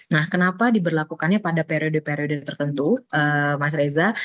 nah kenapa diberlakukannya pada periode periode tertentu mas reza